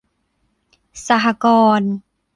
สหกรณ์